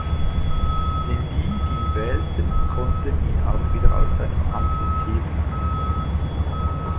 Denn die, die ihn wählten, konnten ihn auch wieder aus seinem Amt entheben.